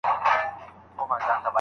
شاګرد باید خپله لیکنه په خپل وخت وسپاري.